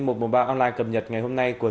một bộ báo online cầm nhật ngày hôm nay của